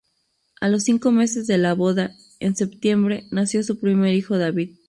A los cinco meses de la boda, en septiembre, nació su primer hijo, David.